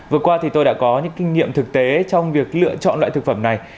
vừa qua thì tôi đã có những kinh nghiệm thực tế trong việc lựa chọn loại thực phẩm này